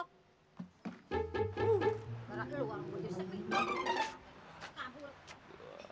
gara gara lu anggot sepi